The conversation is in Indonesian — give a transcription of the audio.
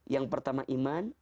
yang pertama iman